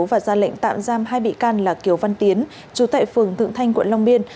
và ra lệnh tạm giam hai bị can là kiều văn tiến chú tại phường thượng thanh quận long biên